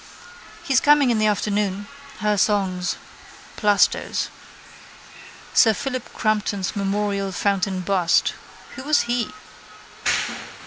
He's coming in the afternoon. Her songs. Plasto's. Sir Philip Crampton's memorial fountain bust. Who was he?